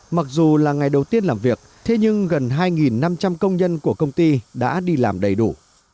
mặc dù là ngày đầu tiên làm việc thế nhưng gần hai năm trăm linh công nhân của công ty đã đi làm đầy đủ